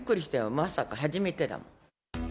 まさか、初めてだもん。